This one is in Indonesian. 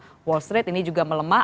bursa saham wall street ini juga melemah